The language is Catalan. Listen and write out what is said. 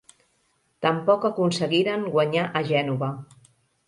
Tampoc aconseguiren guanyar a Gènova.